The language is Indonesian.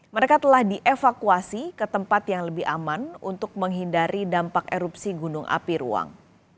mereka telah dievakuasi ke tempat yang lebih aman untuk menghindari dampak erupsi gunung api ruang